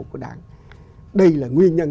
của đảng đây là nguyên nhân